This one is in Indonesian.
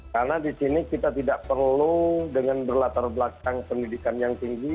karena di sini kita tidak perlu dengan berlatar belakang pendidikan yang tinggi